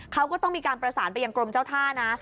เขาก็ต้องมีการประสานไปยังกรมเจ้าท่านะ